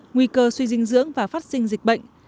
nguy cơ suy dinh dưỡng và phát sinh dịch bệnh